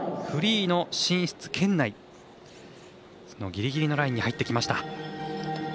フリーの進出圏内のギリギリのラインに入ってきました。